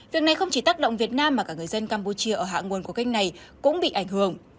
việc này không chỉ tác động việt nam mà cả người dân campuchia ở hạ nguồn của kênh này cũng bị ảnh hưởng